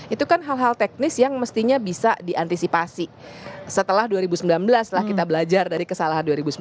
itu kan hal hal teknis yang mestinya bisa diantisipasi setelah dua ribu sembilan belas lah kita belajar dari kesalahan dua ribu sembilan belas